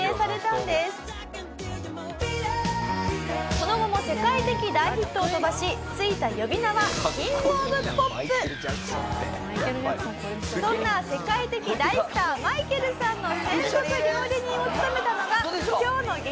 その後も世界的大ヒットを飛ばしついた呼び名はそんな世界的大スターマイケルさんの専属料理人を務めたのが今日の激